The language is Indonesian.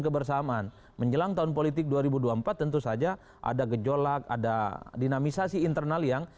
kebersamaan menjelang tahun politik dua ribu dua puluh empat tentu saja ada gejolak ada dinamisasi internal yang